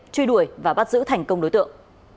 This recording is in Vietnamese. truy đuổi và bắt giữ thành công đối tượng